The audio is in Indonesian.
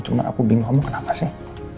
cuma aku bingung kamu kenapa sih